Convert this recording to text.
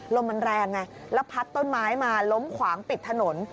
ลมมันแรงไงแล้วพัดต้นไม้มาล้มขวางปิดถนน